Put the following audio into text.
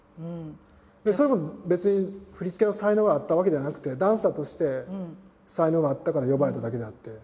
それも別に振り付けの才能があったわけではなくてダンサーとして才能があったから呼ばれただけであって。